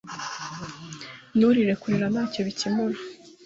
Nturirire. Kurira ntacyo bikemura.